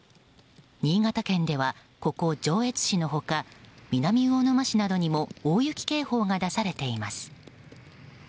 新潟県では、ここ上越市の他南魚沼市などにも大雪警報が出されています。